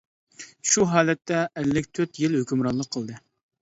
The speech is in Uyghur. شۇ ھالەتتە ئەللىك تۆت يىل ھۆكۈمرانلىق قىلدى.